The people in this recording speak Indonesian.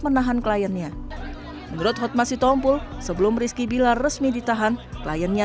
menahan kliennya menurut hot masih tompul sebelum rizki bilar resmi ditahan kliennya